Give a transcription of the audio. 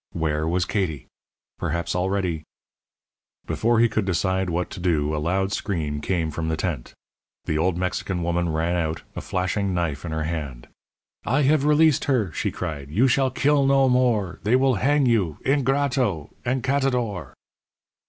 Where was Katie? Perhaps already Before he could decide what to do a loud scream came from the tent. The old Mexican woman ran out, a flashing knife in her hand. "I have released her," she cried. "You shall kill no more. They will hang you ingrato _encatador!